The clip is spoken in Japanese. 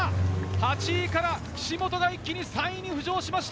８位から岸本が一気に３位に浮上しました。